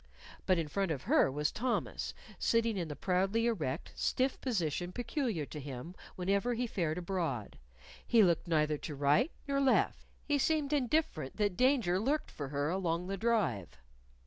But in front of her was Thomas, sitting in the proudly erect, stiff position peculiar to him whenever he fared abroad. He looked neither to right nor left. He seemed indifferent that danger lurked for her along the Drive.